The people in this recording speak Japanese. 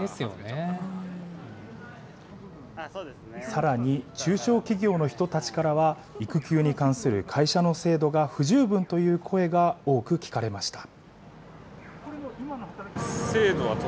さらに、中小企業の人たちからは、育休に関する会社の制度が不十分という声が多く聞かれました。